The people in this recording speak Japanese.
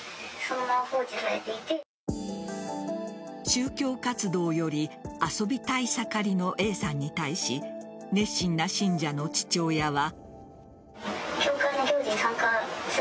宗教活動より遊びたい盛りのＡさんに対し熱心な信者の父親は。